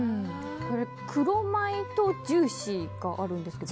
黒米とジューシーがあるんですけど。